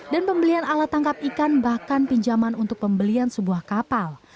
dan pembelian alat tangkap ikan bahkan pinjaman untuk pembelian sebuah kapal